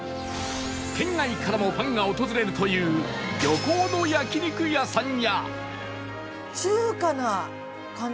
県外からもファンが訪れるという漁港の焼肉屋さんや